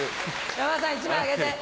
山田さん１枚あげて。